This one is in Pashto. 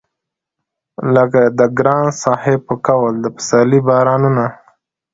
لکه د ګران صاحب په قول د سپرلي بارانونه